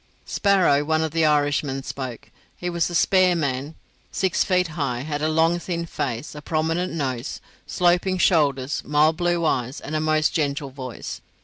Sparrow, one of the Irishmen, spoke. He was a spare man, six feet high, had a long thin face, a prominent nose, sloping shoulders, mild blue eyes, and a most gentle voice.